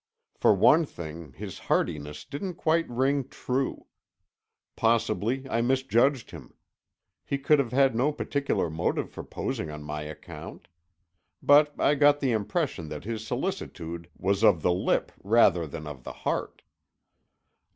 For one thing his heartiness didn't quite ring true. Possibly I misjudged him. He could have had no particular motive for posing on my account. But I got the impression that his solicitude was of the lip rather than of the heart.